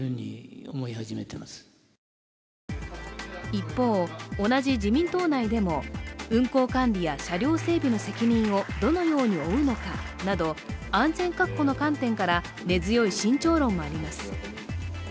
一方、同じ自民党内でも運行管理や車両整備の責任をどのように負うのかなど安全確保の観点から根強い慎重論もあります。